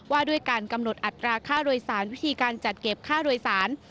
ว่าด้วยการกำหนดอัตราค่าโดยสารวิธีการจัดเก็บค่าโดยสาร